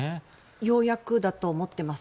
ようやくだと思っています。